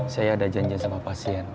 saya ada janji sama pasien